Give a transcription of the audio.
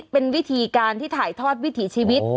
เป็นวิธีการที่ถ่ายทอดวิถีชีวิต